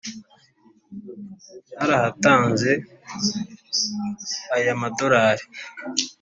Narahatanze ay' amadolari